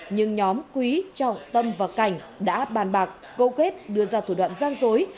nhưng nhóm quý trọng tâm và cảnh đã bàn bạc câu kết đưa ra thủ đoạn gian dối